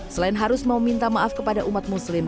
selain harus mau minta maaf kepada umat muslim